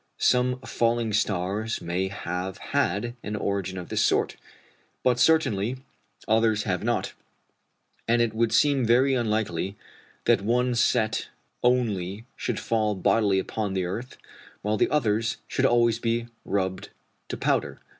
Some falling stars may have had an origin of this sort, but certainly others have not; and it would seem very unlikely that one set only should fall bodily upon the earth, while the others should always be rubbed to powder.